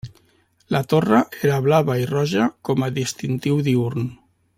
La torre era blava i roja com a distintiu diürn.